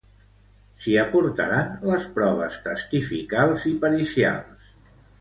S'hi aportaran les proves testificals i pericials.